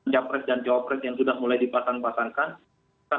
capres dan cawapres yang sudah mulai dipasang pasangkan